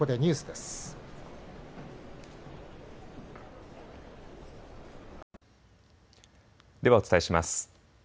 ではお伝えします。